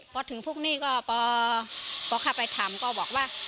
พอถึงพรุ่งนี้ก็พอเข้าไปทำก็บอกว่า